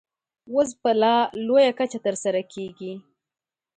اوس په لا لویه کچه ترسره کېږي.